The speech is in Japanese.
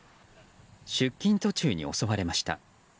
出勤途中に襲われました。